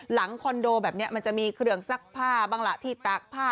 คอนโดแบบนี้มันจะมีเครื่องซักผ้าบ้างล่ะที่ตากผ้า